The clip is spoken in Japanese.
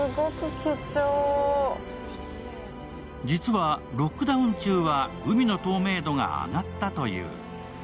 実は、ロックダウン中は海の透明度が上がったという。